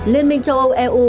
liên minh châu âu eu